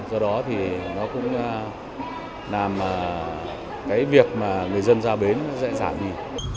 do đó thì nó cũng làm cái việc mà người dân ra bến nó dễ dàng đi